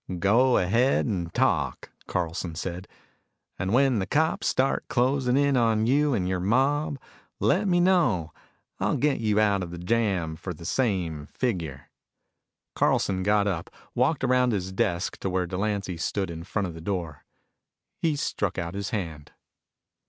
"Go ahead and talk," Carlson said. "And when the cops start closing in on you and your mob, let me know. I'll get you out of the jam for the same figure." Carlson got up, walked around his desk to where Delancy stood in front of the door. He stuck out his hand.